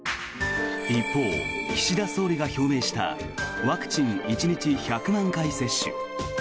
一方、岸田総理が表明したワクチン１日１００万回接種。